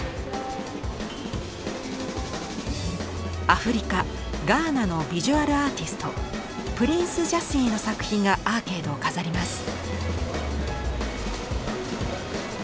アフリカガーナのヴィジュアルアーティストプリンス・ジャスィの作品がアーケードを飾ります。